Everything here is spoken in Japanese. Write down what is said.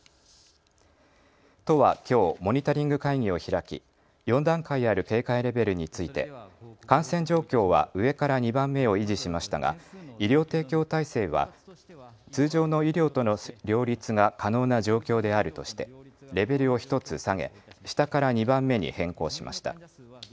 都はきょう、モニタリング会議を開き４段階ある警戒レベルについて感染状況は上から２番目を維持しましたが医療提供体制は通常の医療との両立が可能な状況であるとしてレベルを１つ下げ、下から２番目に変更しました。